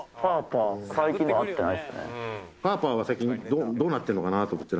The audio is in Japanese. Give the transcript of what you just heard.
パーパーは最近どうなってるのかなと思って。